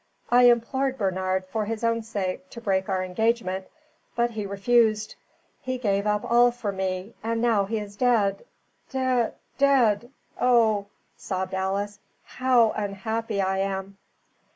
I implored Bernard, for his own sake, to break our engagement, but he refused. He gave up all for me, and now he is dead dea dead. Oh," sobbed Alice, "how unhappy I am!"